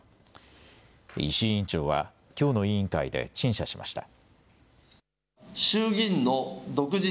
石井委員長はきょうの委員会で陳謝しました。